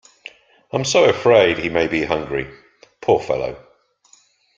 I'm so afraid he may be hungry, poor fellow.